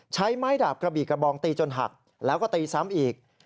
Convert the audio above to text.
ใช้ไม้ดาบกระบี่กระบองตีจนหักแล้วก็ตีซ้ำอีก